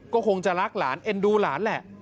ก็คงจะรักหลานเอ็นดูหลานแหละ